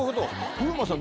風磨さん